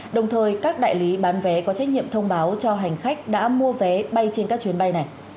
đồng thời các đại lý bán vé có trách nhiệm thông báo cho hành khách đã mua vé bay trên các chuyến bay này